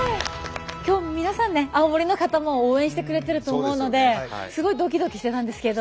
今日皆さんね青森の方も応援してくれてると思うのですごいドキドキしてたんですけど。